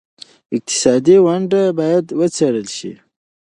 اقتصادي ونډه باید وڅېړل شي.